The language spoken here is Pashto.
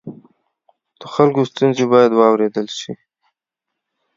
د خلکو ستونزې باید واورېدل شي.